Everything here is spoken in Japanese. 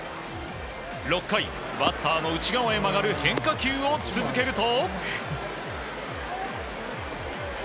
６回、バッターの内側へ曲がる変化球を続けると。